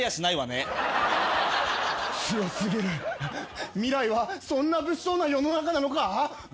強過ぎる未来はそんな物騒な世の中なのか？